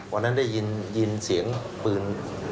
วันนั้นได้ยินเสียงปืน